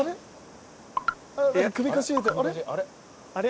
あれ？